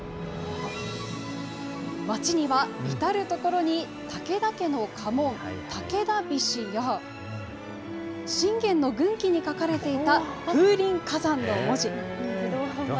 町には至る所に武田家の家紋、武田菱や、信玄の軍旗に書かれていた風林火山の文字。